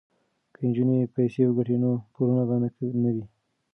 که نجونې پیسې وګټي نو پورونه به نه وي.